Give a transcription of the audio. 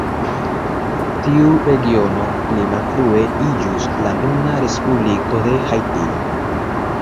Tiu regiono pli malfrue iĝus la nuna Respubliko de Haitio.